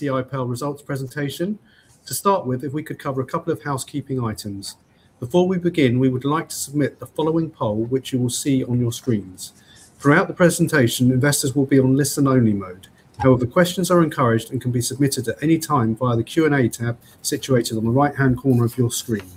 PCI Pal results presentation. To start with, if we could cover a couple of housekeeping items. Before we begin, we would like to submit the following poll, which you will see on your screens. Throughout the presentation, investors will be on listen only mode. Questions are encouraged and can be submitted at any time via the Q&A tab situated on the right-hand corner of your screen.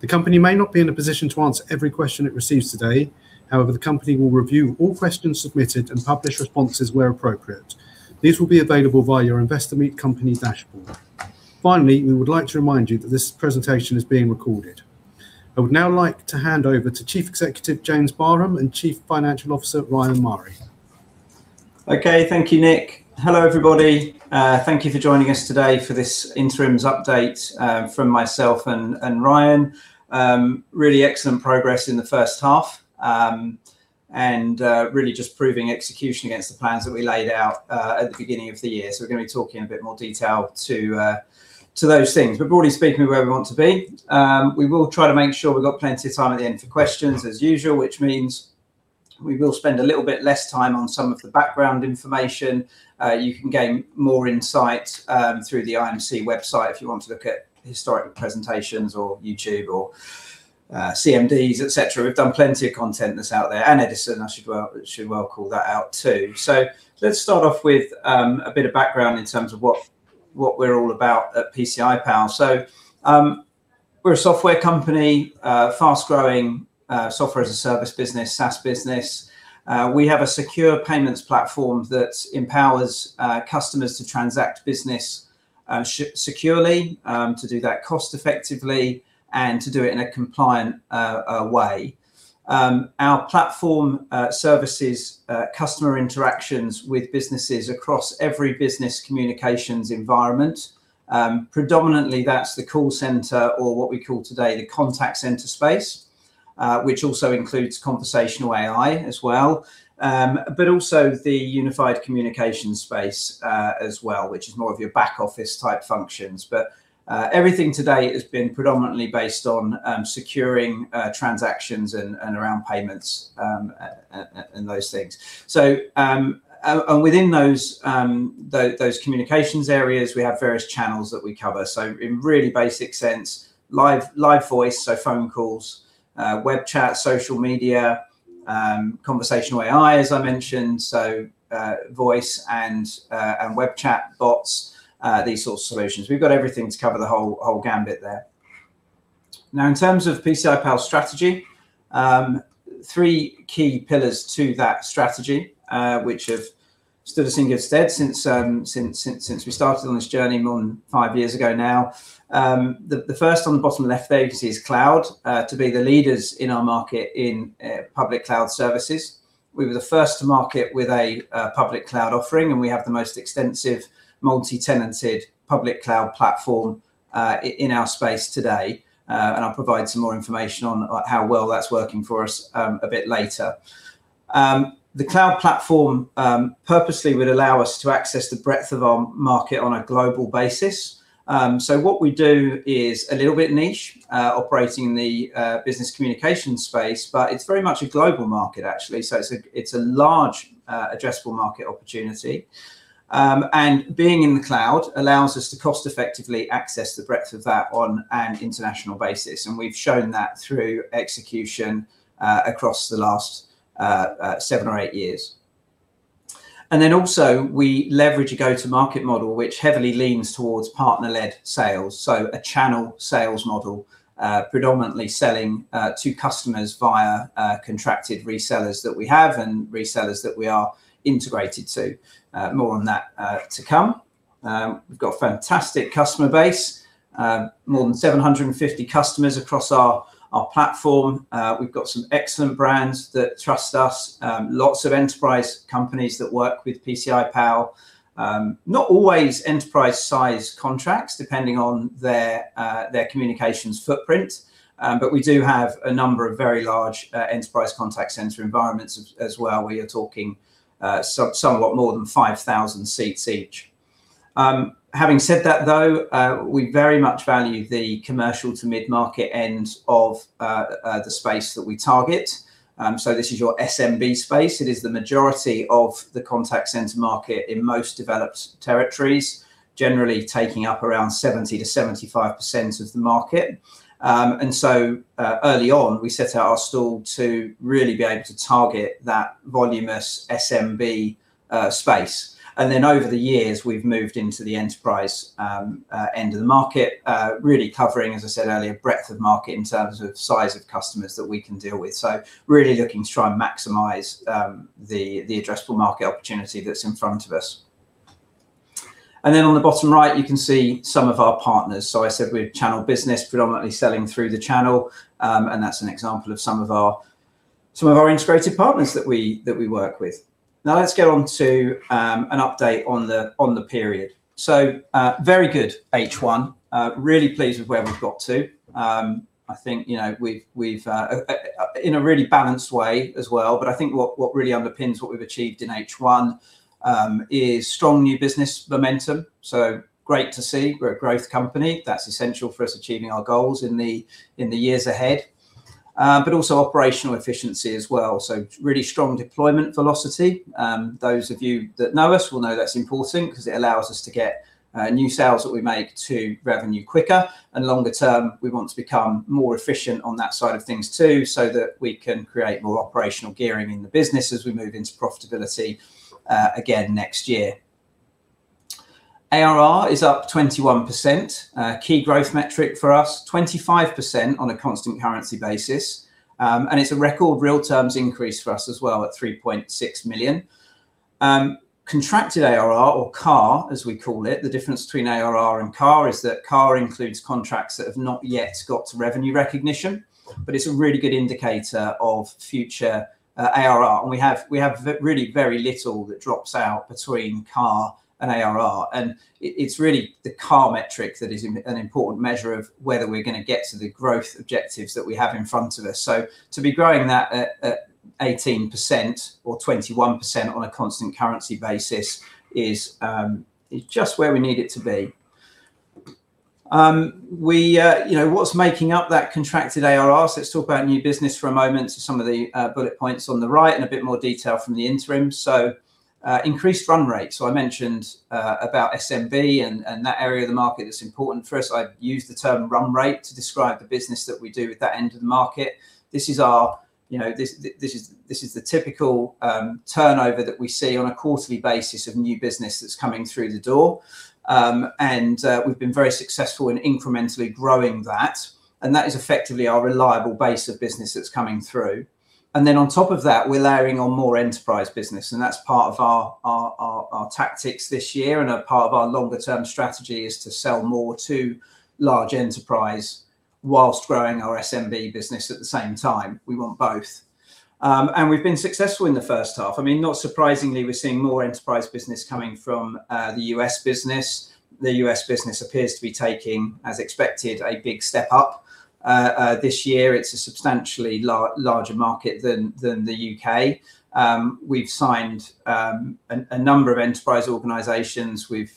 The company may not be in a position to answer every question it receives today, however, the company will review all questions submitted and publish responses where appropriate. These will be available via your Investor Meet Company dashboard. We would like to remind you that this presentation is being recorded. I would now like to hand over to Chief Executive, James Barham, and Chief Financial Officer, Ryan Murray. Okay. Thank you, Nick. Hello, everybody. Thank you for joining us today for this interims update from myself and Ryan. Really excellent progress in the first half. Really just proving execution against the plans that we laid out at the beginning of the year. We're gonna be talking in a bit more detail to those things. Broadly speaking, we're where we want to be. We will try to make sure we've got plenty of time at the end for questions as usual, which means we will spend a little bit less time on some of the background information. You can gain more insight through the IMC website if you want to look at historical presentations or YouTube or CMDs, et cetera. We've done plenty of content that's out there. Edison, I should well call that out too. Let's start off with a bit of background in terms of what we're all about at PCI Pal. We're a software company, a fast-growing Software as a Service business, SaaS business. We have a secure payments platform that empowers customers to transact business securely, to do that cost effectively, and to do it in a compliant way. Our platform services customer interactions with businesses across every business communications environment, predominantly that's the call center or what we call today the contact center space, which also includes Conversational AI as well. Also the unified communication space as well, which is more of your back office type functions. Everything today has been predominantly based on securing transactions and around payments and those things. Within those communications areas, we have various channels that we cover. In really basic sense, live voice, phone calls, web chat, social media, Conversational AI, as I mentioned, voice and web chat bots, these sort of solutions. We've got everything to cover the whole gambit there. In terms of PCI Pal strategy, three key pillars to that strategy, which have stood the thing instead since we started on this journey more than five years ago now. The first on the bottom left there you can see is cloud, to be the leaders in our market in public cloud services. We were the first to market with a public cloud offering. We have the most extensive multi-tenanted public cloud platform, in our space today. I'll provide some more information on how well that's working for us, a bit later. The cloud platform, purposely would allow us to access the breadth of our market on a global basis. What we do is a little bit niche, operating the business communication space, but it's very much a global market actually. It's a, it's a large, addressable market opportunity. Being in the cloud allows us to cost effectively access the breadth of that on an international basis, and we've shown that through execution, across the last seven or eight years. Also we leverage a go-to-market model, which heavily leans towards partner-led sales, so a channel sales model, predominantly selling to customers via contracted resellers that we have and resellers that we are integrated to. More on that to come. We've got a fantastic customer base. More than 750 customers across our platform. We've got some excellent brands that trust us. Lots of enterprise companies that work with PCI Pal. Not always enterprise size contracts depending on their communications footprint. We do have a number of very large enterprise contact center environments as well, where you're talking somewhat more than 5,000 seats each. Having said that though, we very much value the commercial to mid-market end of the space that we target. This is your SMB space. It is the majority of the contact center market in most developed territories, generally taking up around 70%-75% of the market. Early on, we set out our stall to really be able to target that voluminous SMB space. Over the years, we've moved into the enterprise end of the market, really covering, as I said earlier, breadth of market in terms of size of customers that we can deal with. Really looking to try and maximize the addressable market opportunity that's in front of us. On the bottom right, you can see some of our partners. I said we're a channel business predominantly selling through the channel. That's an example of some of our integrated partners that we work with. Now let's get on to an update on the period. Very good H1. Really pleased with where we've got to. I think, you know, we've in a really balanced way as well, but I think what really underpins what we've achieved in H1 is strong new business momentum, so great to see. We're a growth company. That's essential for us achieving our goals in the years ahead. Also operational efficiency as well, so really strong deployment velocity. Those of you that know us will know that's important 'cause it allows us to get new sales that we make to revenue quicker, and longer term we want to become more efficient on that side of things too so that we can create more operational gearing in the business as we move into profitability again next year. ARR is up 21%, a key growth metric for us, 25% on a constant currency basis. It's a record real terms increase for us as well at 3.6 million. Contracted ARR or CAR, as we call it, the difference between ARR and CAR is that CAR includes contracts that have not yet got to revenue recognition, but it's a really good indicator of future ARR. We have really very little that drops out between CAR and ARR, it's really the CAR metric that is an important measure of whether we're gonna get to the growth objectives that we have in front of us. To be growing that at 18% or 21% on a constant currency basis is just where we need it to be. We, you know, what's making up that contracted ARR? Let's talk about new business for a moment. Some of the bullet points on the right and a bit more detail from the interim. Increased run rate. I mentioned about SMB and that area of the market that's important for us. I used the term run rate to describe the business that we do at that end of the market. This is our, you know, this is the typical turnover that we see on a quarterly basis of new business that's coming through the door. We've been very successful in incrementally growing that, and that is effectively our reliable base of business that's coming through. On top of that, we're layering on more enterprise business, and that's part of our tactics this year and a part of our longer term strategy is to sell more to large enterprise whilst growing our SMB business at the same time. We want both. We've been successful in the first half. I mean, not surprisingly, we're seeing more enterprise business coming from the U.S. business. The U.S. business appears to be taking, as expected, a big step up this year. It's a substantially larger market than the U.K. We've signed a number of enterprise organizations. We've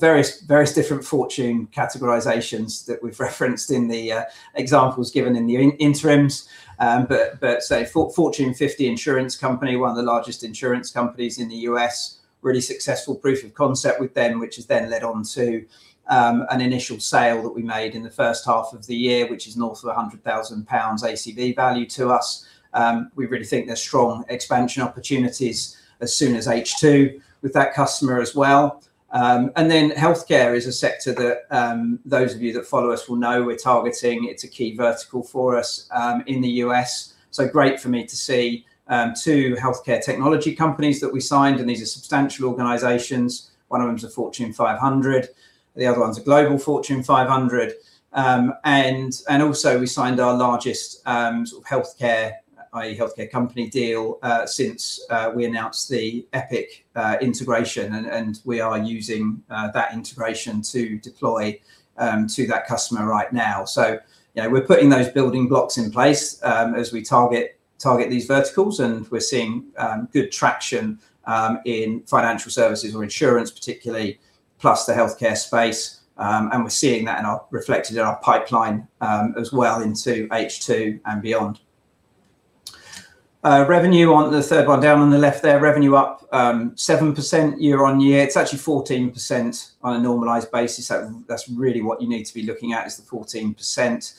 various different Fortune categorizations that we've referenced in the examples given in the interims. Say Fortune 50 insurance company, one of the largest insurance companies in the U.S., really successful proof of concept with them, which has then led on to an initial sale that we made in the first half of the year, which is north of 100,000 pounds ACV value to us. We really think there's strong expansion opportunities as soon as H2 with that customer as well. Healthcare is a sector that those of you that follow us will know we're targeting. It's a key vertical for us in the U.S. Great for me to see two healthcare technology companies that we signed, and these are substantial organizations. One of them is a Fortune 500, the other one's a Fortune Global 500. Also we signed our largest sort of healthcare, i.e. healthcare company deal, since we announced the Epic integration and we are using that integration to deploy to that customer right now. You know, we're putting those building blocks in place as we target these verticals, and we're seeing good traction in financial services or insurance particularly, plus the healthcare space. We're seeing that in our, reflected in our pipeline as well into H2 and beyond. Revenue on the third one down on the left there, revenue up 7% year-on-year. It's actually 14% on a normalized basis. That's really what you need to be looking at is the 14%.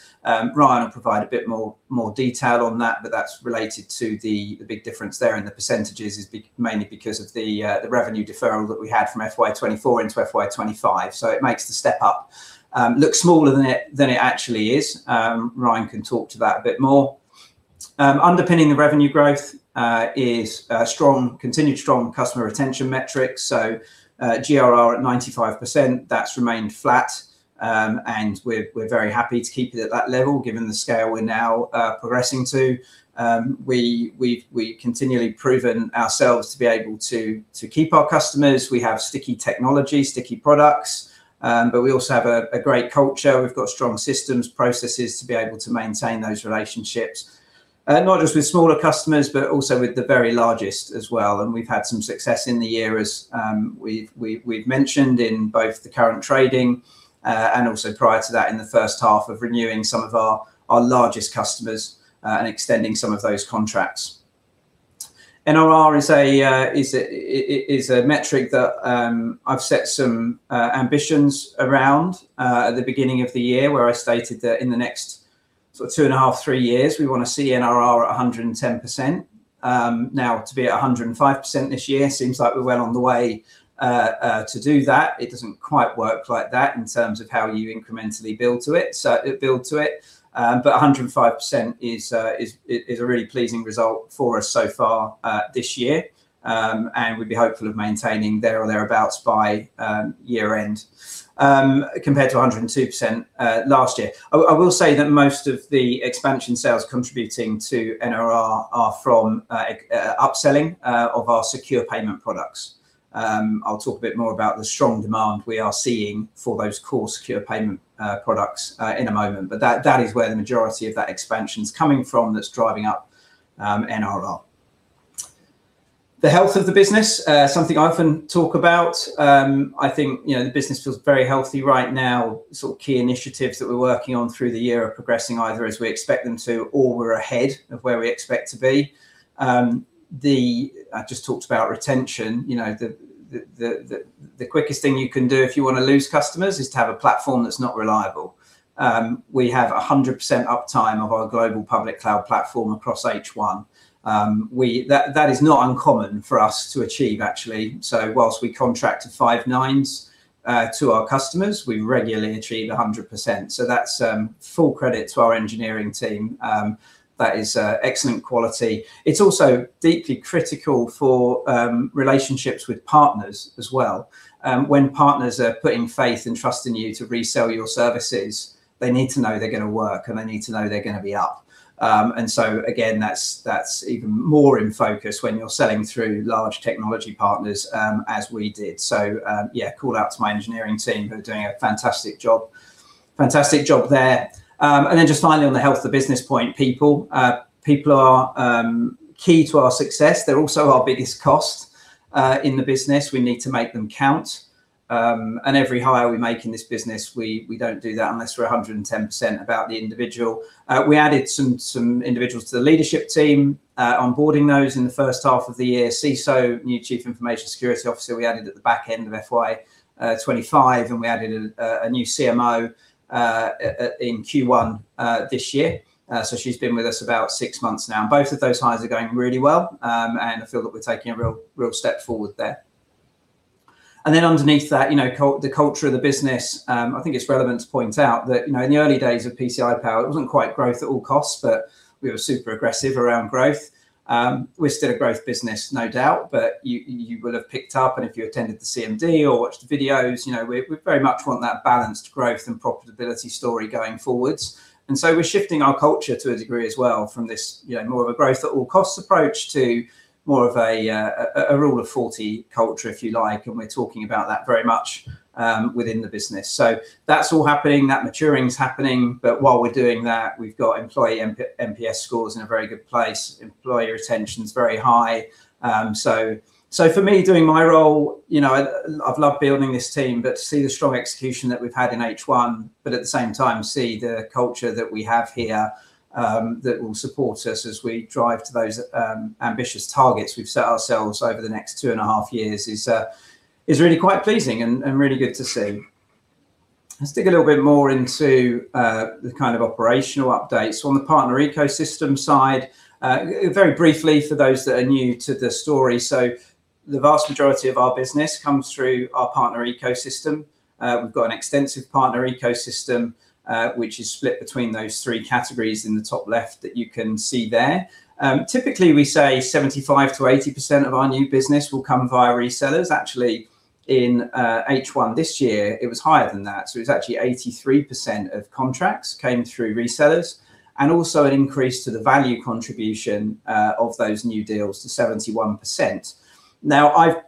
Ryan will provide a bit more detail on that, but that's related to the big difference there in the percentages is mainly because of the revenue deferral that we had from FY24 into FY25. It makes the step up look smaller than it actually is. Ryan can talk to that a bit more. Underpinning the revenue growth is strong, continued strong customer retention metrics. GRR at 95% that's remained flat. We're very happy to keep it at that level given the scale we're now progressing to. We've continually proven ourselves to be able to keep our customers. We have sticky technology, sticky products, we also have a great culture. We've got strong systems, processes to be able to maintain those relationships, not just with smaller customers, but also with the very largest as well. We've had some success in the year as we've mentioned in both the current trading and also prior to that in the first half of renewing some of our largest customers and extending some of those contracts. NRR is a metric that I've set some ambitions around at the beginning of the year where I stated that in the next sort of 2.5, three years, we wanna see NRR at 110%. Now to be at 105% this year seems like we're well on the way to do that. It doesn't quite work like that in terms of how you incrementally build to it. Build to it. 105% is a really pleasing result for us so far this year. We'd be hopeful of maintaining there or thereabouts by year end compared to 102% last year. I will say that most of the expansion sales contributing to NRR are from upselling of our secure payment products. I'll talk a bit more about the strong demand we are seeing for those core secure payment products in a moment. That is where the majority of that expansion's coming from that's driving up NRR. The health of the business, something I often talk about, you know, the business feels very healthy right now. Sort of key initiatives that we're working on through the year are progressing either as we expect them to or we're ahead of where we expect to be. I just talked about retention. You know, the quickest thing you can do if you wanna lose customers is to have a platform that's not reliable. We have 100% uptime of our global public cloud platform across H1. That is not uncommon for us to achieve actually. Whilst we contract to five nines, to our customers, we regularly achieve 100%. That's full credit to our engineering team. That is excellent quality. It's also deeply critical for relationships with partners as well. When partners are putting faith and trust in you to resell your services, they need to know they're gonna work, and they need to know they're gonna be up. Again, that's even more in focus when you're selling through large technology partners as we did. Yeah, call out to my engineering team who are doing a fantastic job there. Just finally on the health of the business point, people. People are key to our success. They're also our biggest cost in the business. We need to make them count. Every hire we make in this business, we don't do that unless we're 110% about the individual. We added some individuals to the leadership team, onboarding those in the first half of the year. CISO, new Chief Information Security Officer we added at the back end of FY25, and we added a new CMO, in Q1 this year. She's been with us about six months now, and both of those hires are going really well. I feel that we're taking a real step forward there. Underneath that, you know, the culture of the business, I think it's relevant to point out that, you know, in the early days of PCI Pal, it wasn't quite growth at all costs, but we were super aggressive around growth. We're still a growth business no doubt, you will have picked up, and if you attended the CMD or watched the videos, you know, we very much want that balanced growth and profitability story going forwards. So we're shifting our culture to a degree as well from this, you know, more of a growth at all costs approach to more of a Rule of 40 culture, if you like, and we're talking about that very much within the business. That's all happening. That maturing's happening. While we're doing that, we've got employee NPS scores in a very good place. Employee retention's very high. For me doing my role, you know, I've loved building this team, but to see the strong execution that we've had in H1, but at the same time see the culture that we have here, that will support us as we drive to those ambitious targets we've set ourselves over the next 2.5 years is really quite pleasing and really good to see. Let's dig a little bit more into the kind of operational updates. On the partner ecosystem side, very briefly for those that are new to the story, the vast majority of our business comes through our partner ecosystem. We've got an extensive partner ecosystem, which is split between those three categories in the top left that you can see there. Typically we say 75%-80% of our new business will come via resellers. Actually, in H1 this year it was higher than that. It's actually 83% of contracts came through resellers, and also an increase to the value contribution of those new deals to 71%.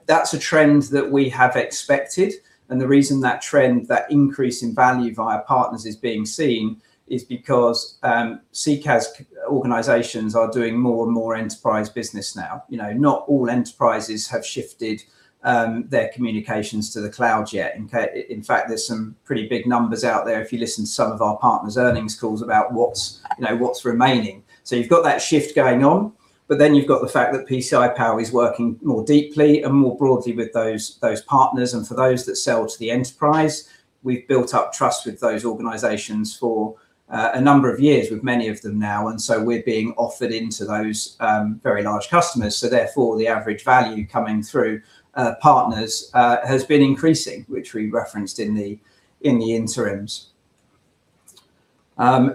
That's a trend that we have expected, and the reason that trend, that increase in value via partners is being seen is because CCaaS organizations are doing more and more enterprise business now. You know, not all enterprises have shifted their communications to the cloud yet. In fact, there's some pretty big numbers out there if you listen to some of our partners' earnings calls about what's, you know, what's remaining. You've got that shift going on, but then you've got the fact that PCI Pal is working more deeply and more broadly with those partners. For those that sell to the enterprise, we've built up trust with those organizations for a number of years with many of them now, and so we're being offered into those, very large customers. Therefore the average value coming through, partners, has been increasing, which we referenced in the interims.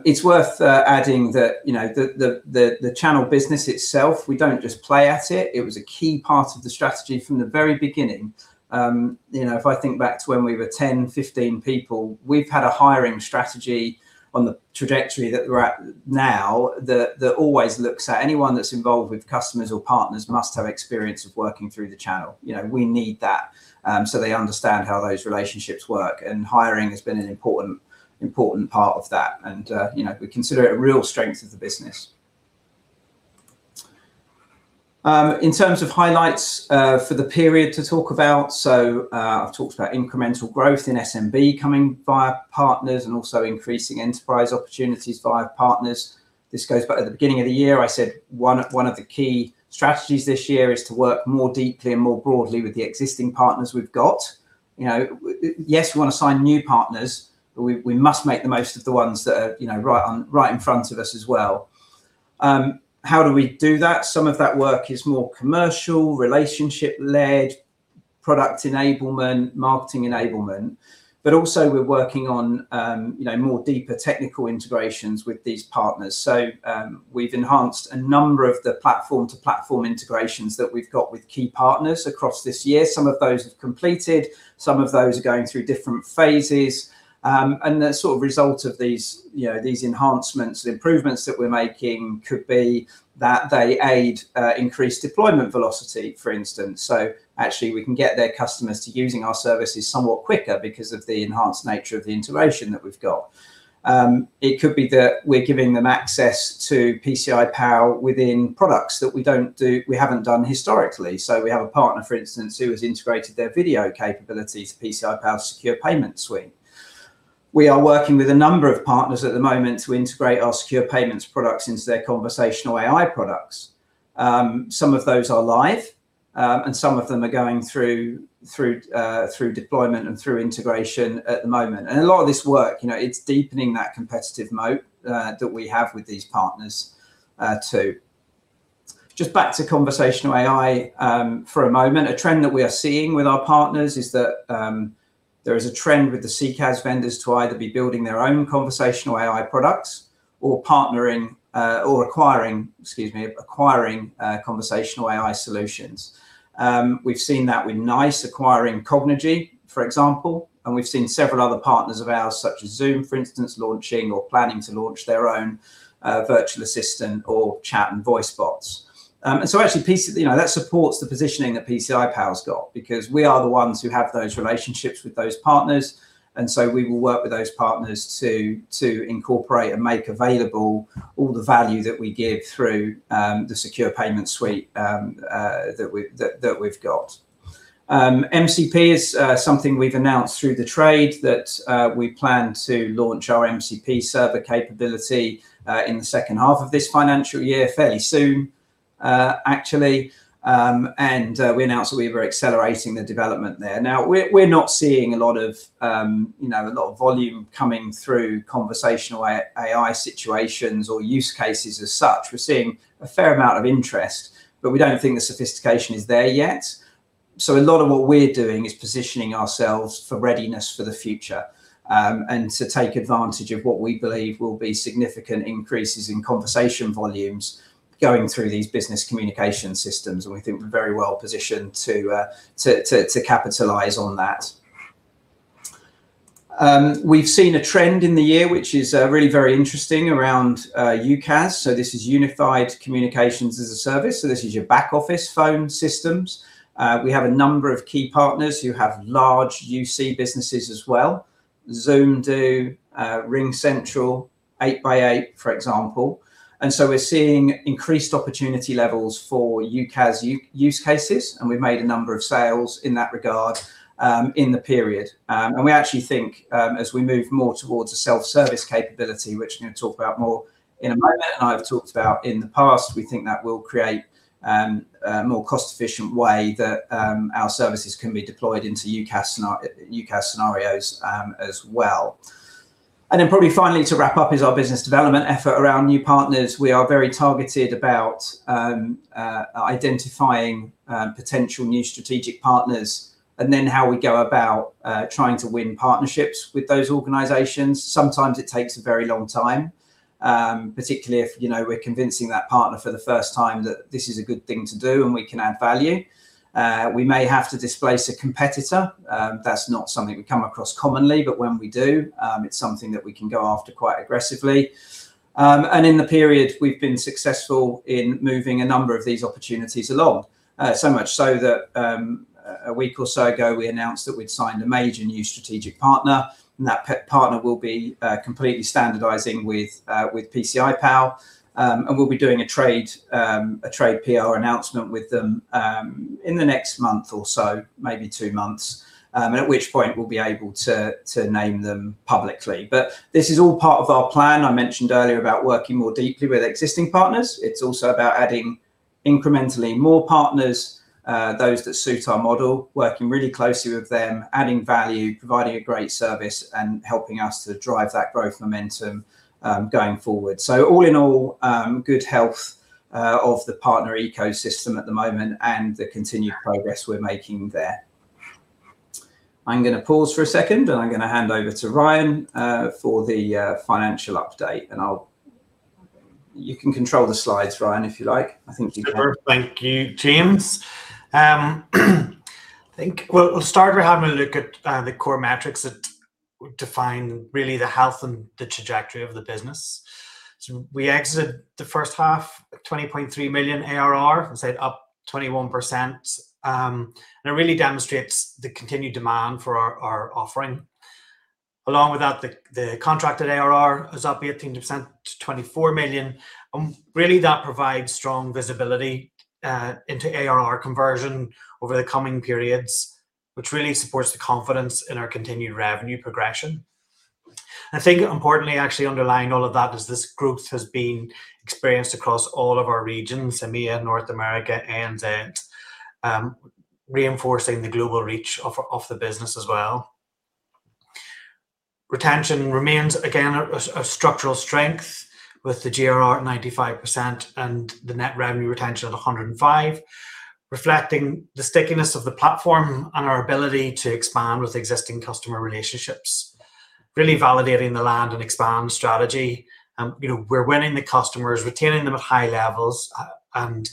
It's worth adding that, you know, the channel business itself, we don't just play at it. It was a key part of the strategy from the very beginning. You know, if I think back to when we were 10, 15 people, we've had a hiring strategy on the trajectory that we're at now that always looks at anyone that's involved with customers or partners must have experience of working through the channel. You know, we need that, so they understand how those relationships work, and hiring has been an important part of that. You know, we consider it a real strength of the business. In terms of highlights for the period to talk about, I've talked about incremental growth in SMB coming via partners and also increasing enterprise opportunities via partners. This goes back to the beginning of the year. I said one of the key strategies this year is to work more deeply and more broadly with the existing partners we've got. You know, yes, we wanna sign new partners, but we must make the most of the ones that are, you know, right on, right in front of us as well. How do we do that? Some of that work is more commercial, relationship led, product enablement, marketing enablement, but also we're working on, you know, more deeper technical integrations with these partners. We've enhanced a number of the platform to platform integrations that we've got with key partners across this year. Some of those have completed, some of those are going through different phases. The sort of result of these, you know, these enhancements, the improvements that we're making could be that they aid increased deployment velocity, for instance. Actually we can get their customers to using our services somewhat quicker because of the enhanced nature of the integration that we've got. It could be that we're giving them access to PCI Pal within products that we don't do, we haven't done historically. We have a partner, for instance, who has integrated their video capability to PCI Pal's secure payment suite. We are working with a number of partners at the moment to integrate our secure payments products into their Conversational AI products. Some of those are live, and some of them are going through deployment and through integration at the moment. A lot of this work, you know, it's deepening that competitive moat that we have with these partners, too. Just back to Conversational AI for a moment. A trend that we are seeing with our partners is that there is a trend with the CCaaS vendors to either be building their own Conversational AI products or partnering or acquiring Conversational AI solutions. We've seen that with NICE acquiring Cognigy, for example, and we've seen several other partners of ours, such as Zoom, for instance, launching or planning to launch their own virtual assistant or chat and voice bots. You know, that supports the positioning that PCI Pal's got because we are the ones who have those relationships with those partners, and so we will work with those partners to incorporate and make available all the value that we give through the secure payment suite that we've got. MCP is something we've announced through the trade that we plan to launch our MCP server capability in the second half of this financial year, fairly soon, actually. We announced that we were accelerating the development there. We're not seeing a lot of, you know, a lot of volume coming through Conversational AI situations or use cases as such. We're seeing a fair amount of interest, but we don't think the sophistication is there yet. A lot of what we're doing is positioning ourselves for readiness for the future, and to take advantage of what we believe will be significant increases in conversation volumes going through these business communication systems, and we think we're very well positioned to capitalize on that. We've seen a trend in the year, which is really very interesting around UCaaS, so this is unified communications as a service. So this is your back office phone systems. We have a number of key partners who have large UC businesses as well. Zoom do, RingCentral, 8x8, for example. So we're seeing increased opportunity levels for UCaaS use cases, and we've made a number of sales in that regard in the period. We actually think, as we move more towards a self-service capability, which I'm gonna talk about more in a moment, and I've talked about in the past, we think that will create a more cost-efficient way that our services can be deployed into UCaaS scenarios as well. Probably finally to wrap up is our business development effort around new partners. We are very targeted about identifying potential new strategic partners and then how we go about trying to win partnerships with those organizations. Sometimes it takes a very long time, particularly if you know, we're convincing that partner for the first time that this is a good thing to do, and we can add value. We may have to displace a competitor. That's not something we come across commonly, but when we do, it's something that we can go after quite aggressively. In the period, we've been successful in moving a number of these opportunities along. So much so that, a week or so ago, we announced that we'd signed a major new strategic partner, and that partner will be completely standardizing with PCI Pal. We'll be doing a trade, a trade PR announcement with them in the next month or so, maybe two months, and at which point we'll be able to name them publicly. This is all part of our plan. I mentioned earlier about working more deeply with existing partners. It's also about adding incrementally more partners, those that suit our model, working really closely with them, adding value, providing a great service, and helping us to drive that growth momentum going forward. All in all, good health of the partner ecosystem at the moment and the continued progress we're making there. I'm gonna pause for a second, and I'm gonna hand over to Ryan, for the financial update. You can control the slides, Ryan, if you like. I think you can. Sure. Thank you, James. We'll start by having a look at the core metrics that define really the health and the trajectory of the business. We exited the first half at 20.3 million ARR, as I said, up 21%. It really demonstrates the continued demand for our offering. Along with that, the contracted ARR was up 18% to 24 million, really that provides strong visibility into ARR conversion over the coming periods, which really supports the confidence in our continued revenue progression. Importantly, actually, underlying all of that is this growth has been experienced across all of our regions, EMEA, North America, ANZ, reinforcing the global reach of the business as well. Retention remains, again, a structural strength with the GRR at 95% and the net revenue retention at 105%, reflecting the stickiness of the platform and our ability to expand with existing customer relationships, really validating the land and expand strategy. You know, we're winning the customers, retaining them at high levels, and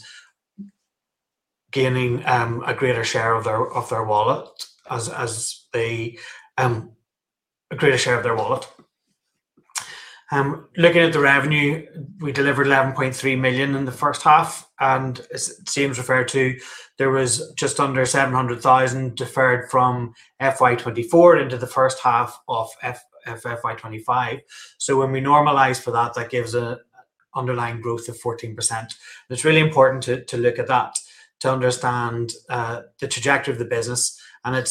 gaining a greater share of their wallet. Looking at the revenue, we delivered 11.3 million in the first half, and as James referred to, there was just under 700,000 deferred from FY24 into the first half of FY25. When we normalize for that gives Underlying growth of 14%. It's really important to look at that to understand the trajectory of the business, and it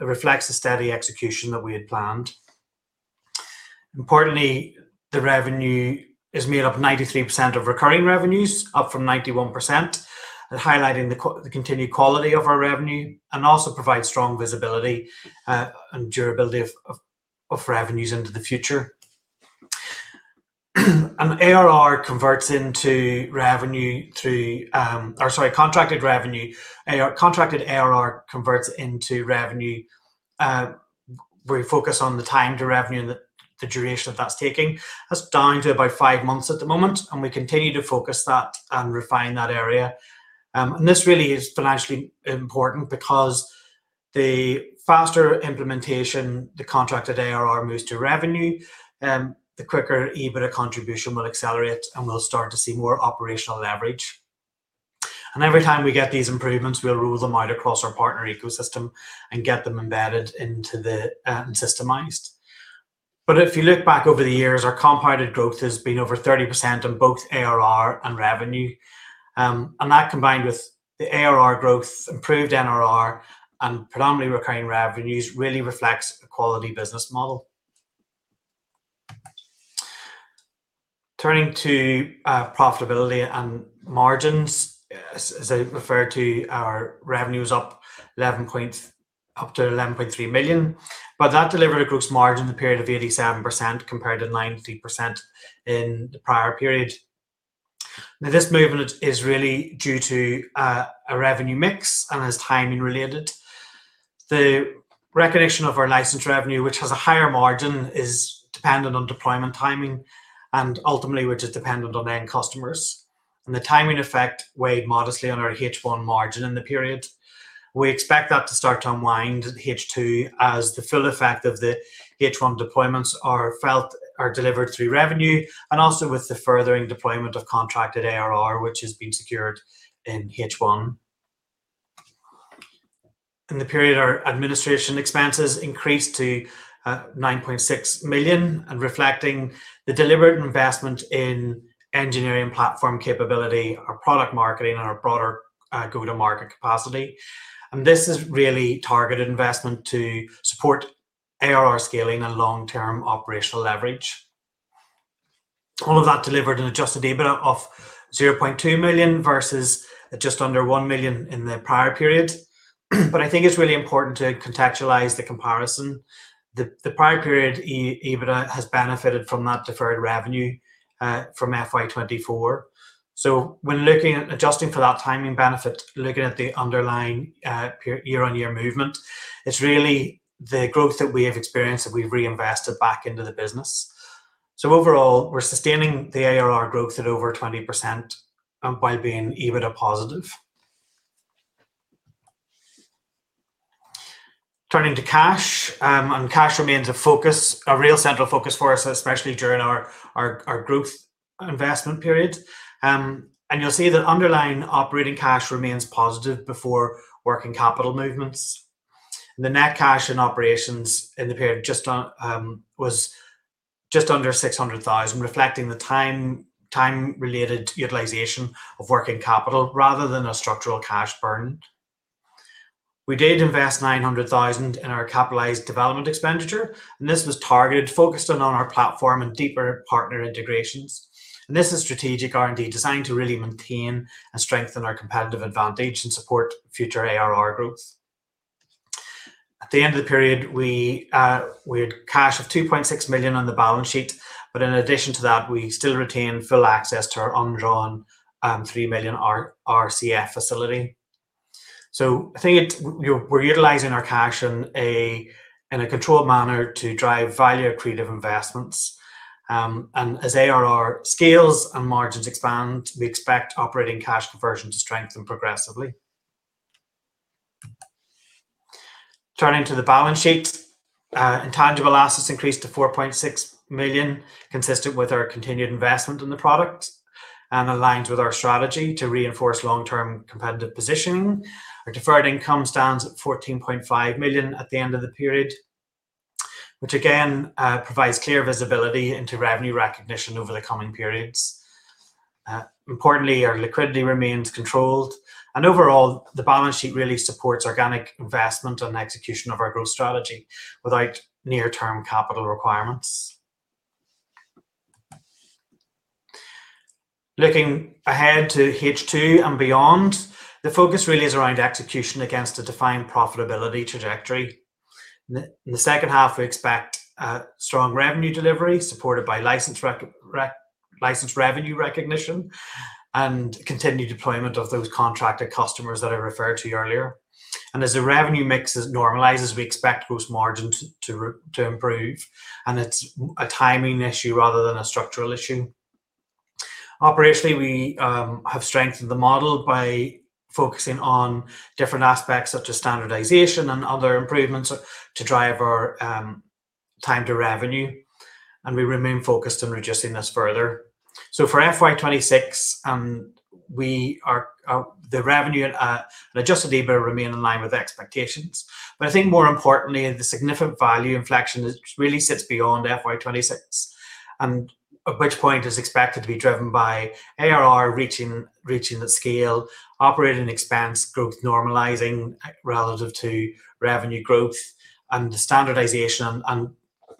reflects the steady execution that we had planned. Importantly, the revenue is made up 93% of recurring revenues, up from 91%, highlighting the continued quality of our revenue, and also provides strong visibility and durability of revenues into the future. ARR converts into revenue through contracted revenue. Contracted ARR converts into revenue. We focus on the time to revenue and the duration that that's taking. That's down to about five months at the moment, and we continue to focus that and refine that area. This really is financially important because the faster implementation the contracted ARR moves to revenue, the quicker EBITDA contribution will accelerate, and we'll start to see more operational leverage. Every time we get these improvements, we'll roll them out across our partner ecosystem and get them embedded into the systemized. If you look back over the years, our compounded growth has been over 30% on both ARR and revenue. That combined with the ARR growth, improved NRR, and predominantly recurring revenues really reflects a quality business model. Turning to profitability and margins, as I referred to, our revenue is up to 11.3 million. That delivered a gross margin period of 87% compared to 93% in the prior period. Now, this movement is really due to a revenue mix and is timing-related. The recognition of our license revenue, which has a higher margin, is dependent on deployment timing and ultimately, which is dependent on end customers. The timing effect weighed modestly on our H1 margin in the period. We expect that to start to unwind in H2 as the full effect of the H1 deployments are felt or delivered through revenue and also with the furthering deployment of contracted ARR, which has been secured in H1. In the period, our administration expenses increased to 9.6 million, and reflecting the deliberate investment in engineering platform capability, our product marketing, and our broader go-to-market capacity. This is really targeted investment to support ARR scaling and long-term operational leverage. All of that delivered an adjusted EBITDA of 0.2 million versus just under one million in the prior period. I think it's really important to contextualize the comparison. The prior period EBITDA has benefited from that deferred revenue from FY24. When looking at adjusting for that timing benefit, looking at the underlying year-on-year movement, it's really the growth that we have experienced that we've reinvested back into the business. Overall, we're sustaining the ARR growth at over 20% and by being EBITDA positive. Turning to cash, and cash remains a focus, a real central focus for us, especially during our growth investment period. You'll see that underlying operating cash remains positive before working capital movements. The net cash in operations in the period just on was just under 600,000, reflecting the time-related utilization of working capital rather than a structural cash burn. We did invest 900,000 in our capitalized development expenditure, this was targeted, focused in on our platform and deeper partner integrations. This is strategic R&D designed to really maintain and strengthen our competitive advantage and support future ARR growth. At the end of the period, we had cash of 2.6 million on the balance sheet. In addition to that, we still retain full access to our undrawn three million RCF facility. I think it we're utilizing our cash in a controlled manner to drive value-accretive investments. As ARR scales and margins expand, we expect operating cash conversion to strengthen progressively. Turning to the balance sheet, intangible assets increased to 4.6 million, consistent with our continued investment in the product and aligns with our strategy to reinforce long-term competitive positioning. Our deferred income stands at 14.5 million at the end of the period, which again, provides clear visibility into revenue recognition over the coming periods. Importantly, our liquidity remains controlled, and overall, the balance sheet really supports organic investment and execution of our growth strategy without near-term capital requirements. Looking ahead to H2 and beyond, the focus really is around execution against a defined profitability trajectory. In the, in the second half, we expect strong revenue delivery supported by license revenue recognition and continued deployment of those contracted customers that I referred to earlier. As the revenue mix is normalized, we expect gross margin to improve, and it's a timing issue rather than a structural issue. Operationally, we have strengthened the model by focusing on different aspects such as standardization and other improvements to drive our time to revenue, and we remain focused on reducing this further. For FY26 andWe are the revenue and the adjusted EBITDA remain in line with expectations. I think more importantly, the significant value inflection really sits beyond FY26, at which point is expected to be driven by ARR reaching the scale, operating expense growth normalizing relative to revenue growth and the standardization and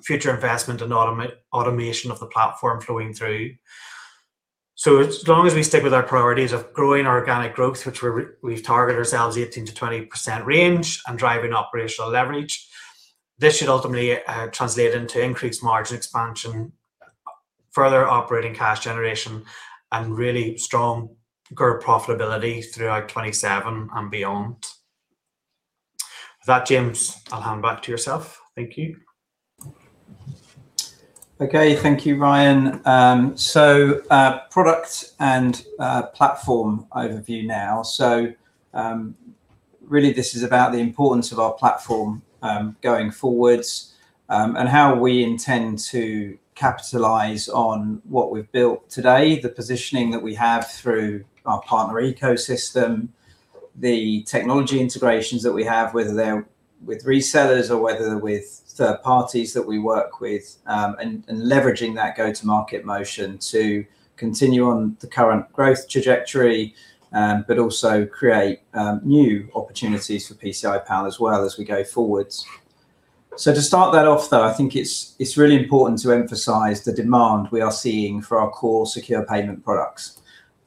future investment and automation of the platform flowing through. As long as we stick with our priorities of growing organic growth, which we've targeted ourselves 18%-20% range, and driving operational leverage, this should ultimately translate into increased margin expansion, further operating cash generation, and really strong group profitability throughout 2027 and beyond. With that, James, I'll hand back to yourself. Thank you. Okay. Thank you, Ryan. Product and platform overview now. Really this is about the importance of our platform going forwards, and how we intend to capitalize on what we've built today, the positioning that we have through our partner ecosystem, the technology integrations that we have, whether they're with resellers or whether with third parties that we work with, and leveraging that go-to-market motion to continue on the current growth trajectory, but also create new opportunities for PCI Pal as well as we go forwards. To start that off, though, I think it's really important to emphasize the demand we are seeing for our core secure payment products.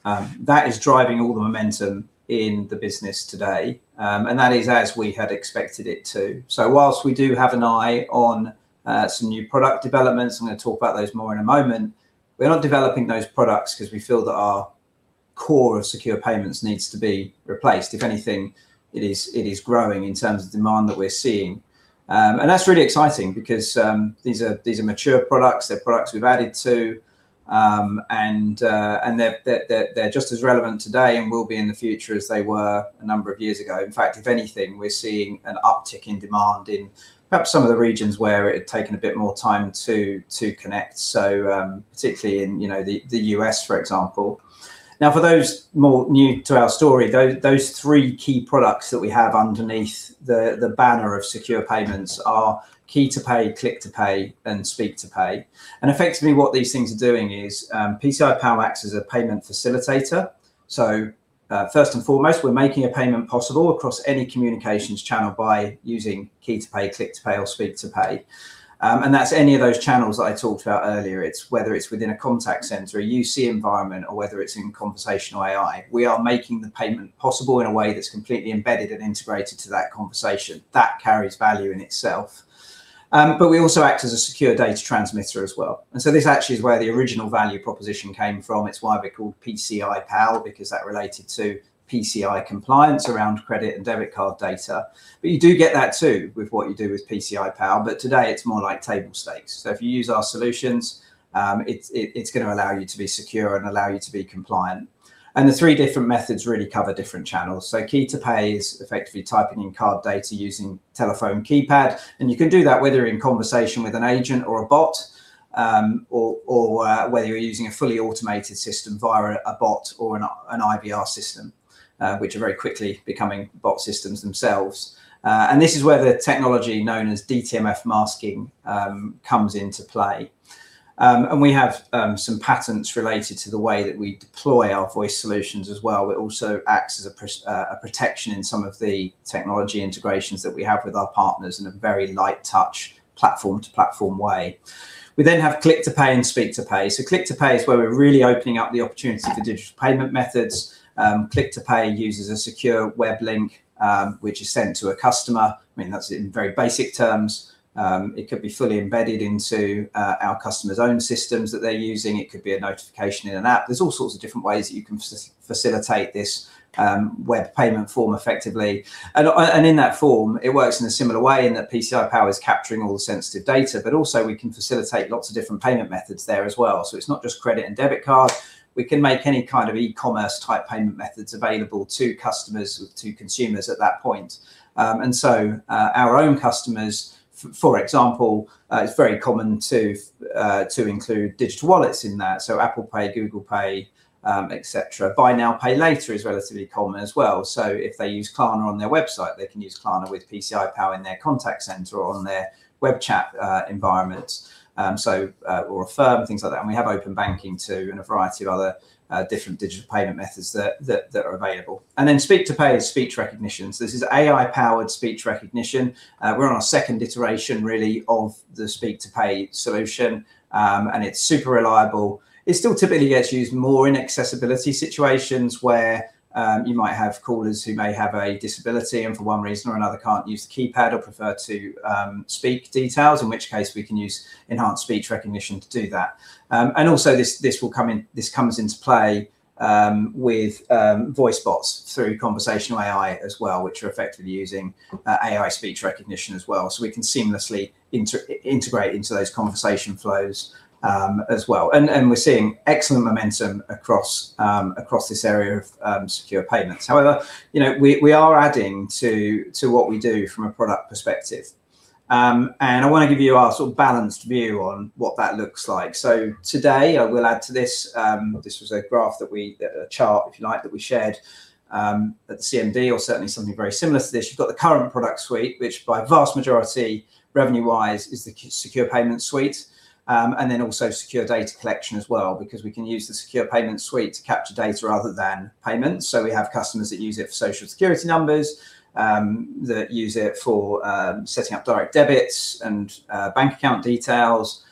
That is driving all the momentum in the business today. And that is as we had expected it to. Whilst we do have an eye on some new product developments, I'm gonna talk about those more in a moment. We're not developing those products because we feel that our core of secure payments needs to be replaced. If anything, it is growing in terms of demand that we're seeing. And that's really exciting because these are mature products. They're products we've added to, and they're just as relevant today and will be in the future as they were a number of years ago. In fact, if anything, we're seeing an uptick in demand in perhaps some of the regions where it had taken a bit more time to connect, so particularly in, you know, the US, for example. For those more new to our story, those three key products that we have underneath the banner of secure payments are Key to Pay, Click to Pay, and Speak to Pay. Effectively what these things are doing is PCI Pal acts as a payment facilitator. First and foremost, we're making a payment possible across any communications channel by using Key to Pay, Click to Pay or Speak to Pay. That's any of those channels that I talked about earlier. It's whether it's within a contact center, a UC environment, or whether it's in Conversational AI, we are making the payment possible in a way that's completely embedded and integrated to that conversation. That carries value in itself. We also act as a secure data transmitter as well, and so this actually is where the original value proposition came from. It's why we're called PCI Pal, because that related to PCI compliance around credit and debit card data. You do get that too with what you do with PCI Pal. Today it's more like table stakes. If you use our solutions, it's gonna allow you to be secure and allow you to be compliant. The three different methods really cover different channels. Key to Pay is effectively typing in card data using telephone keypad. You can do that whether you're in conversation with an agent or a bot, or whether you're using a fully automated system via a bot or an IVR system, which are very quickly becoming bot systems themselves. This is where the technology known as DTMF masking comes into play. We have some patents related to the way that we deploy our voice solutions as well, which also acts as a protection in some of the technology integrations that we have with our partners in a very light touch platform to platform way. We then have Click to Pay and Speak to Pay. Click to Pay is where we're really opening up the opportunity for digital payment methods. Click to Pay uses a secure web link, which is sent to a customer. I mean, that's in very basic terms. It could be fully embedded into our customer's own systems that they're using. It could be a notification in an app. There's all sorts of different ways that you can facilitate this web payment form effectively. In that form, it works in a similar way in that PCI Pal is capturing all the sensitive data, but also we can facilitate lots of different payment methods there as well. It's not just credit and debit cards. We can make any kind of e-commerce type payment methods available to customers or to consumers at that point. Our own customers, for example, it's very common to include digital wallets in that, so Apple Pay, Google Pay, et cetera. Buy now, pay later is relatively common as well. If they use Klarna on their website, they can use Klarna with PCI Pal in their contact center or on their web chat environment. Or Affirm, things like that. We have open banking too, and a variety of other different digital payment methods that are available. Speak to Pay is speech recognition. This is AI powered speech recognition. We're on our second iteration really of the Speak to Pay solution. It's super reliable. It still typically gets used more in accessibility situations, where you might have callers who may have a disability and for one reason or another can't use the keypad or prefer to speak details, in which case we can use enhanced speech recognition to do that. Also this comes into play with voice bots through Conversational AI as well, which are effectively using AI speech recognition as well. We can seamlessly inter-integrate into those conversation flows as well. We're seeing excellent momentum across across this area of secure payments. However, you know, we are adding to what we do from a product perspective. I want to give you our sort of balanced view on what that looks like. Today, I will add to this was a graph, a chart if you like, that we shared at the CMD, or certainly something very similar to this. You've got the current product suite, which by vast majority revenue-wise is the secure payment suite. Then also secure data collection as well, because we can use the secure payment suite to capture data rather than payments. We have customers that use it for Social Security numbers, that use it for setting up direct debits and bank account details.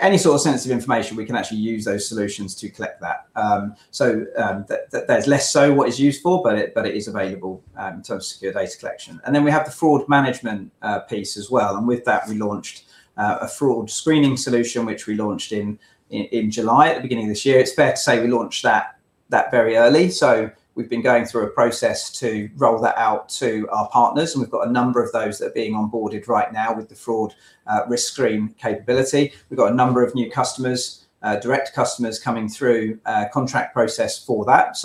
Any sort of sensitive information, we can actually use those solutions to collect that. That there's less so what it's used for, but it is available in terms of secure data collection. We have the fraud management piece as well. With that, we launched a fraud screening solution which we launched in July, at the beginning of this year. It's fair to say we launched that very early. We've been going through a process to roll that out to our partners, and we've got a number of those that are being onboarded right now with the fraud risk screen capability. We've got a number of new customers, direct customers coming through contract process for that.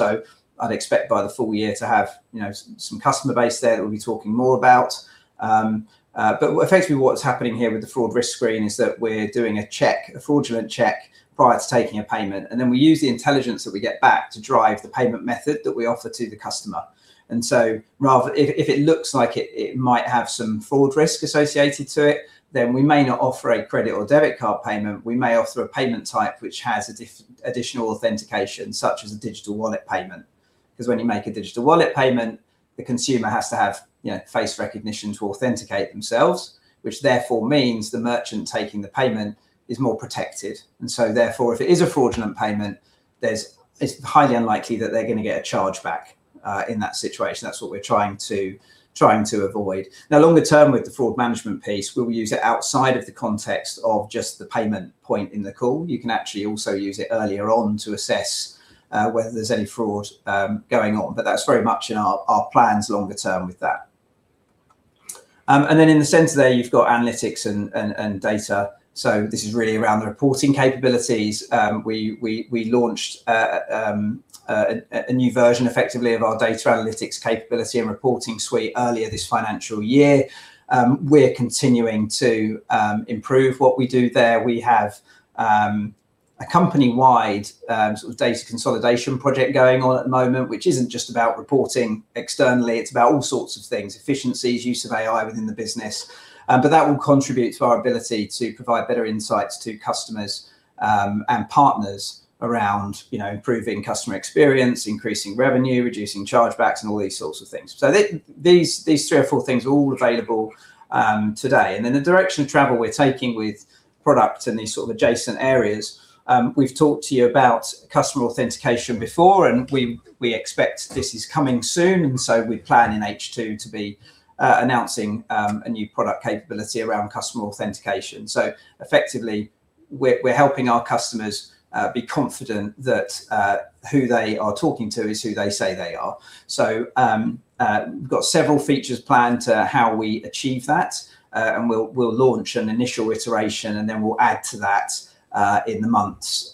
I'd expect by the full year to have, you know, some customer base there that we'll be talking more about. But effectively what's happening here with the Fraud Risk Scoring is that we're doing a check, a fraudulent check prior to taking a payment, and then we use the intelligence that we get back to drive the payment method that we offer to the customer. Rather, if it looks like it might have some fraud risk associated to it, then we may not offer a credit or debit card payment. We may offer a payment type which has additional authentication, such as a digital wallet payment, 'cause when you make a digital wallet payment, the consumer has to have, you know, face recognition to authenticate themselves, which therefore means the merchant taking the payment is more protected. If it is a fraudulent payment, it's highly unlikely that they're gonna get a chargeback in that situation. That's what we're trying to avoid. Longer term with the fraud management piece, we'll use it outside of the context of just the payment point in the call. You can actually also use it earlier on to assess whether there's any fraud going on. That's very much in our plans longer term with that. In the center there, you've got analytics and data. This is really around the reporting capabilities. We launched a new version effectively of our data analytics capability and reporting suite earlier this financial year. We're continuing to improve what we do there. We have a company-wide sort of data consolidation project going on at the moment, which isn't just about reporting externally, it's about all sorts of things, efficiencies, use of AI within the business. That will contribute to our ability to provide better insights to customers and partners around, you know, improving customer experience, increasing revenue, reducing chargebacks, and all these sorts of things. These three or four things are all available today. The direction of travel we're taking with products in these sort of adjacent areas, we've talked to you about customer authentication before, and we expect this is coming soon. We plan in H2 to be announcing a new product capability around customer authentication. Effectively we're helping our customers be confident that who they are talking to is who they say they are. We've got several features planned to how we achieve that. We'll launch an initial iteration, and then we'll add to that in the months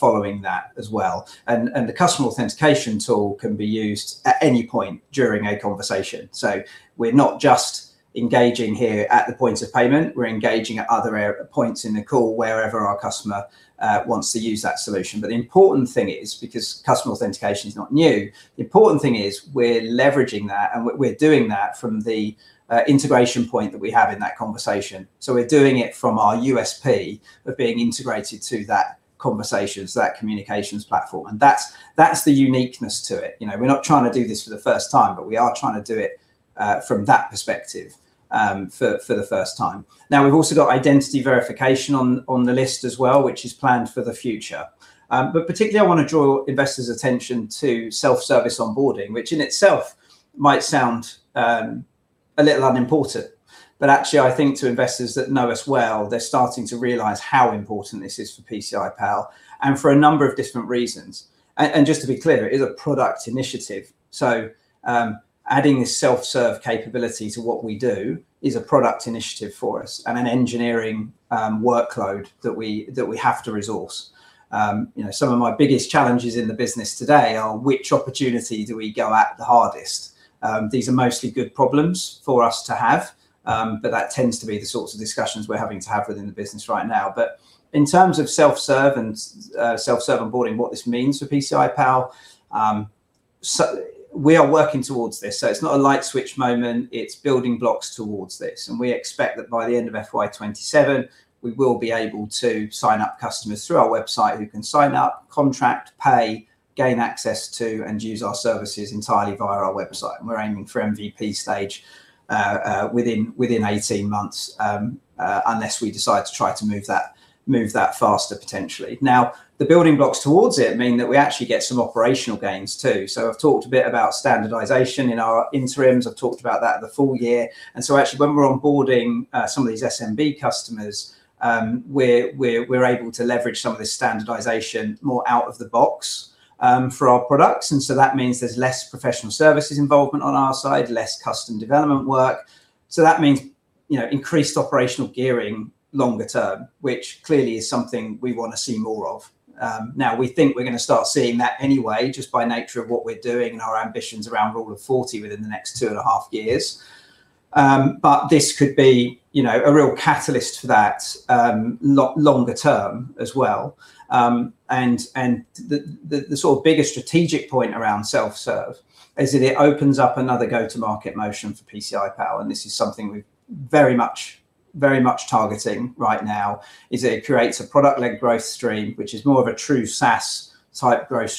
following that as well. The customer authentication tool can be used at any point during a conversation. We're not just engaging here at the point of payment, we're engaging at other points in the call wherever our customer wants to use that solution. The important thing is, because customer authentication is not new, the important thing is we're leveraging that and we're doing that from the integration point that we have in that conversation. We're doing it from our USP of being integrated to that conversation, so that communications platform, and that's the uniqueness to it. You know, we're not trying to do this for the first time, but we are trying to do it from that perspective for the first time. We've also got identity verification on the list as well, which is planned for the future. Particularly I wanna draw investors' attention to self-service onboarding, which in itself might sound a little unimportant, but actually I think to investors that know us well, they're starting to realize how important this is for PCI Pal and for a number of different reasons. Just to be clear, it is a product initiative. Adding a self-serve capability to what we do is a product initiative for us and an engineering workload that we have to resource. You know, some of my biggest challenges in the business today are which opportunity do we go at the hardest? These are mostly good problems for us to have. That tends to be the sorts of discussions we're having to have within the business right now. In terms of self-serve and self-serve onboarding, what this means for PCI Pal, we are working towards this, it's not a light switch moment, it's building blocks towards this. We expect that by the end of FY27, we will be able to sign up customers through our website who can sign up, contract, pay, gain access to, and use our services entirely via our website. We're aiming for MVP stage within 18 months, unless we decide to try to move that faster potentially. The building blocks towards it mean that we actually get some operational gains too. I've talked a bit about standardization in our interims. I've talked about that in the full year. Actually when we're onboarding some of these SMB customers, we're able to leverage some of this standardization more out of the box for our products. That means there's less professional services involvement on our side, less custom development work. That means, you know, increased operational gearing longer term, which clearly is something we wanna see more of. Now we think we're gonna start seeing that anyway, just by nature of what we're doing and our ambitions around Rule of 40 within the next two and a half years. This could be, you know, a real catalyst for that, longer term as well. The sort of bigger strategic point around self-serve is that it opens up another go-to-market motion for PCI Pal, and this is something we're very much targeting right now, is it creates a product-led growth stream, which is more of a true SaaS type growth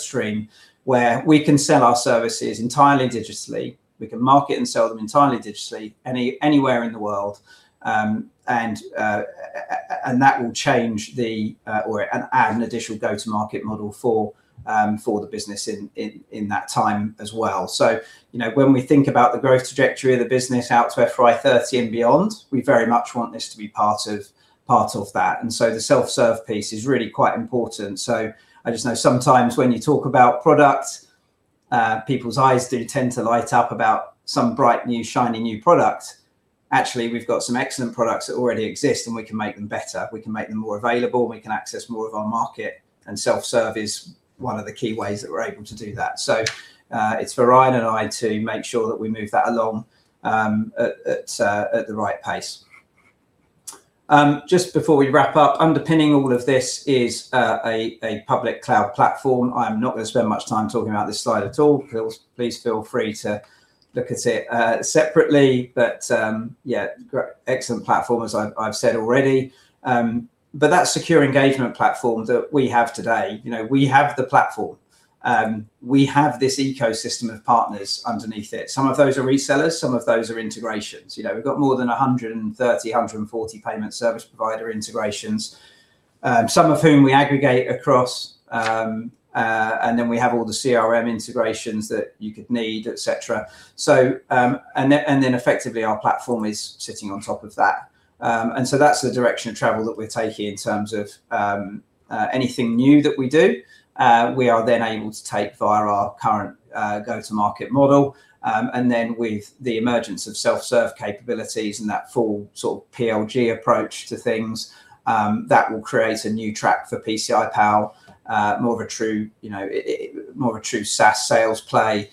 stream, where we can sell our services entirely digitally. We can market and sell them entirely digitally anywhere in the world. That will change the or add an additional go-to-market model for the business in that time as well. You know, when we think about the growth trajectory of the business out to FY30 and beyond, we very much want this to be part of that. The self-serve piece is really quite important. I just know sometimes when you talk about product, people's eyes do tend to light up about some bright, new shiny new product. Actually, we've got some excellent products that already exist, and we can make them better. We can make them more available, we can access more of our market, and self-serve is one of the key ways that we're able to do that. It's for Ryan and I to make sure that we move that along at the right pace. Just before we wrap up, underpinning all of this is a public cloud platform. I'm not gonna spend much time talking about this slide at all. Please, please feel free to look at it separately, but excellent platform as I've said already. That secure payment solutions that we have today, you know, we have the platform. We have this ecosystem of partners underneath it. Some of those are resellers, some of those are integrations. You know, we've got more than 130, 140 payment service provider integrations, some of whom we aggregate across. Then we have all the CRM integrations that you could need, et cetera. And then effectively our platform is sitting on top of that. That's the direction of travel that we're taking in terms of anything new that we do, we are then able to take via our current go-to-market model. With the emergence of self-serve capabilities and that full sort of PLG approach to things, that will create a new track for PCI Pal. More of a true, you know, more of a true SaaS sales play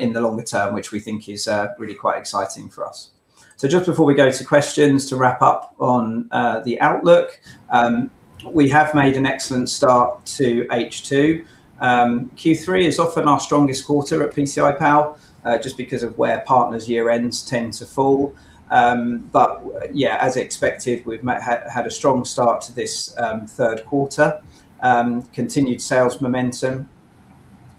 in the longer term, which we think is really quite exciting for us. Just before we go to questions, to wrap up on the outlook, we have made an excellent start to H2. Q3 is often our strongest quarter at PCI Pal, just because of where partners' year ends tend to fall. Yeah, as expected, we've had a strong start to this third quarter. Continued sales momentum,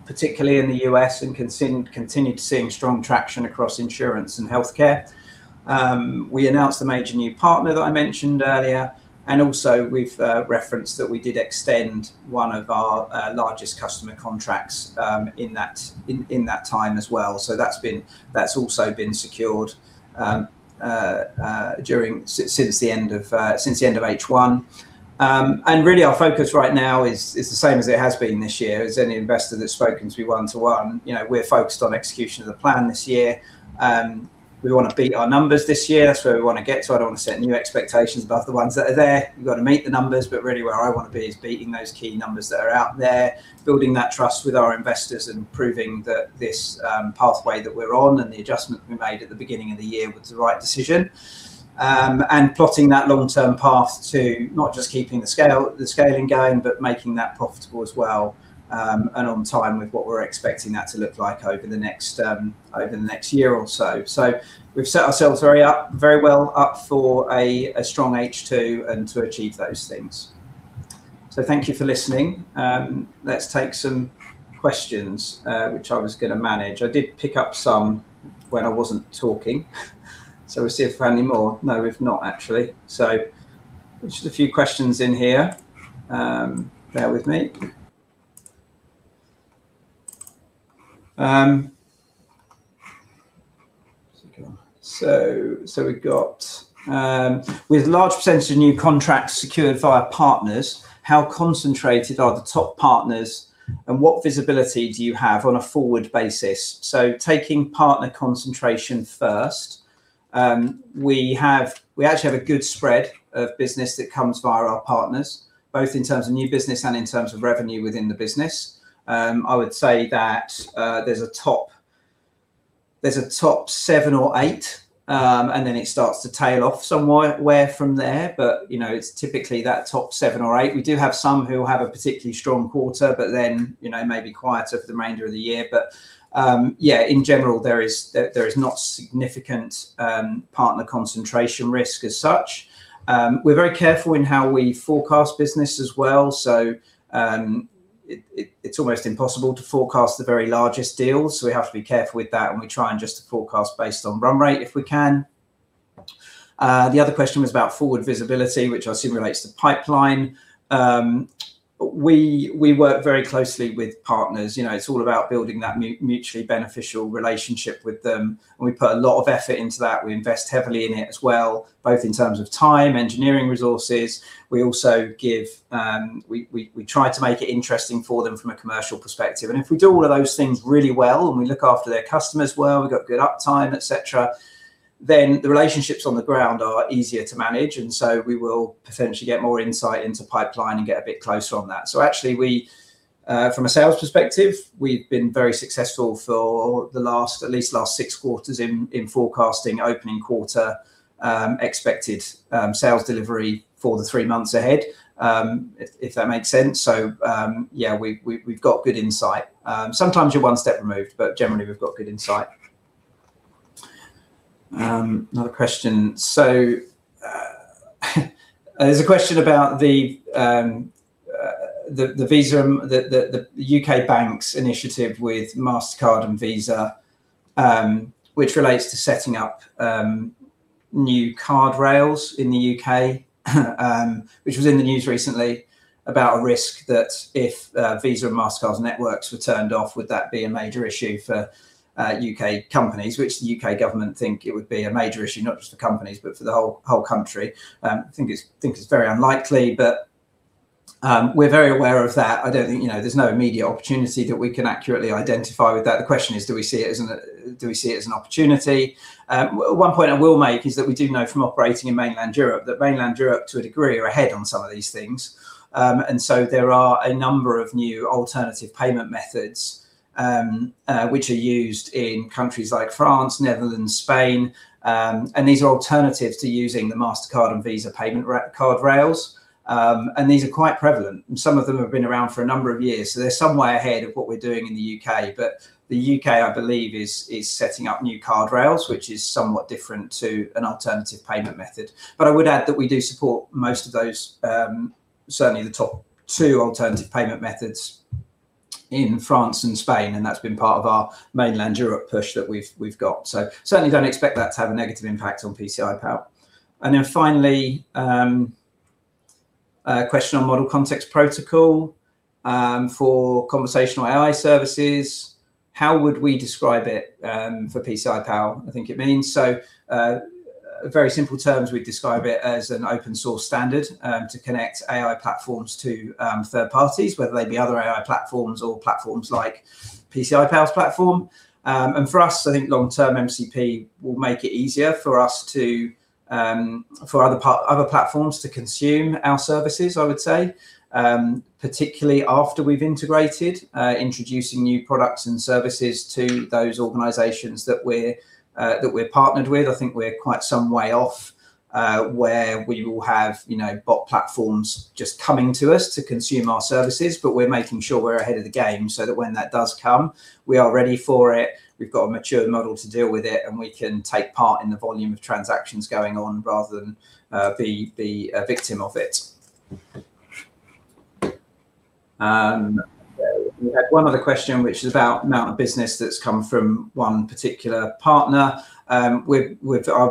particularly in the U.S. and continued seeing strong traction across insurance and healthcare. We announced the major new partner that I mentioned earlier, and also we've referenced that we did extend one of our largest customer contracts in that time as well. That's been, that's also been secured during. Since the end of H1. Really our focus right now is the same as it has been this year. As any investor that's spoken to one-to-one, you know, we're focused on execution of the plan this year. We wanna beat our numbers this year. That's where we wanna get to. I don't wanna set new expectations above the ones that are there. We've gotta meet the numbers, but really where I wanna be is beating those key numbers that are out there, building that trust with our investors and proving that this pathway that we're on and the adjustment we made at the beginning of the year was the right decision. And plotting that long-term path to not just keeping the scale, the scaling going, but making that profitable as well and on time with what we're expecting that to look like over the next over the next year or so. We've set ourselves very up, very well up for a strong H2 and to achieve those things. Thank you for listening. Let's take some questions, which I was gonna manage. I did pick up some when I wasn't talking, so we'll see if there are any more. No, we've not actually. Just a few questions in here. Bear with me. We've got, with large percentage of new contracts secured via partners, how concentrated are the top partners, and what visibility do you have on a forward basis? Taking partner concentration first, we actually have a good spread of business that comes via our partners, both in terms of new business and in terms of revenue within the business. I would say that there's a top seven or eight, and then it starts to tail off somewhat where from there. You know, it's typically that top seven or eight. We do have some who will have a particularly strong quarter, but then, you know, may be quieter for the remainder of the year. Yeah, in general there is not significant partner concentration risk as such. We're very careful in how we forecast business as well. It's almost impossible to forecast the very largest deals. We have to be careful with that, and we try and just to forecast based on run rate if we can. The other question was about forward visibility, which I assume relates to pipeline. We work very closely with partners. You know, it's all about building that mutually beneficial relationship with them, and we put a lot of effort into that. We invest heavily in it as well, both in terms of time, engineering resources. We also give. We try to make it interesting for them from a commercial perspective. If we do all of those things really well, and we look after their customers well, we've got good uptime, et cetera, then the relationships on the ground are easier to manage. We will potentially get more insight into pipeline and get a bit closer on that. Actually, from a sales perspective, we've been very successful for the last, at least last six quarters in forecasting opening quarter, expected sales delivery for the three months ahead, if that makes sense. Yeah, we've got good insight. Sometimes you're one step removed, but generally we've got good insight. Another question. There's a question about the Visa, the, the U.K. banks initiative with Mastercard and Visa, which relates to setting up new card rails in the U.K., which was in the news recently about a risk that if Visa and Mastercard's networks were turned off, would that be a major issue for U.K. companies, which the U.K. government think it would be a major issue not just for companies, but for the whole country. think it's very unlikely, but we're very aware of that. I don't think, you know, there's no immediate opportunity that we can accurately identify with that. The question is, do we see it as an opportunity? One point I will make is that we do know from operating in mainland Europe that mainland Europe, to a degree, are ahead on some of these things. There are a number of new alternative payment methods, which are used in countries like France, Netherlands, Spain. These are alternatives to using the Mastercard and Visa payment card rails. These are quite prevalent, and some of them have been around for a number of years, so they're some way ahead of what we're doing in the U.K. The U.K., I believe, is setting up new card rails, which is somewhat different to an alternative payment method. I would add that we do support most of those, certainly the top two alternative payment methods in France and Spain, and that's been part of our mainland Europe push that we've got. Certainly don't expect that to have a negative impact on PCI Pal. Finally, a question on Model Context Protocol for Conversational AI services. How would we describe it for PCI Pal, I think it means. In very simple terms, we'd describe it as an open source standard to connect AI platforms to third parties, whether they be other AI platforms or platforms like PCI Pal's platform. For us, I think long-term MCP will make it easier for us to for other platforms to consume our services, I would say, particularly after we've integrated introducing new products and services to those organizations that we're that we're partnered with. I think we're quite some way off where we will have, you know, bot platforms just coming to us to consume our services. We're making sure we're ahead of the game so that when that does come, we are ready for it, we've got a mature model to deal with it, and we can take part in the volume of transactions going on rather than be a victim of it. We had one other question, which is about amount of business that's come from one particular partner. I'll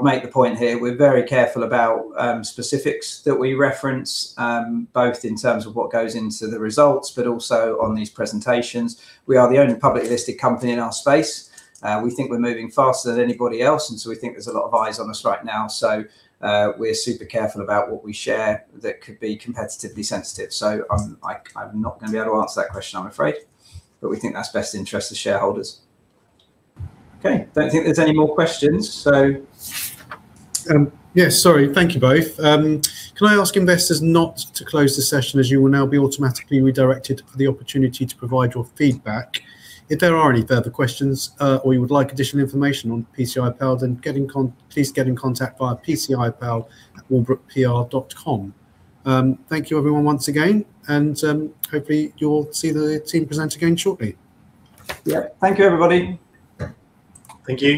make the point here, we're very careful about specifics that we reference, both in terms of what goes into the results, but also on these presentations. We are the only publicly listed company in our space. We think we're moving faster than anybody else, we think there's a lot of eyes on us right now, so we're super careful about what we share that could be competitively sensitive. I'm not gonna be able to answer that question, I'm afraid, but we think that's best interest the shareholders. Okay. Don't think there's any more questions, so. Yes. Sorry. Thank you both. Can I ask investors not to close the session, as you will now be automatically redirected for the opportunity to provide your feedback. If there are any further questions, or you would like additional information on PCI Pal, then please get in contact via pcipal@walbrookpr.com. Thank you everyone once again, and, hopefully you'll see the team present again shortly. Yep. Thank you everybody. Thank you.